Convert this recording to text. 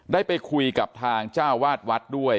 ได้ไปคุยกับทางเจ้าวาดวัดด้วย